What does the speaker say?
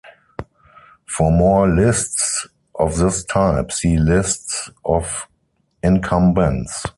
For more lists of this type, see Lists of incumbents.